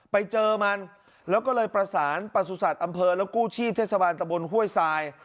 ไปเจอมันแล้วก็เลยประสานประสุทธิ์อำเภอแล้วกู้ชีพเทศบาลตะบนห้วยทราย